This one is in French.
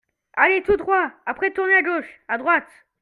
Allez tout droit ! Après tournez à gauche/ à droite !